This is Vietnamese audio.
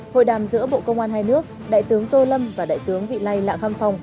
hội đàm giữa bộ công an hai nước đại tướng tô lâm và đại tướng vị lây lạng pham phong